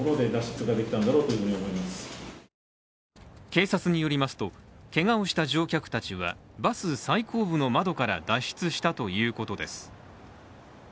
警察によりますと、けがをした乗客たちはバス最後部の窓から脱出したということです。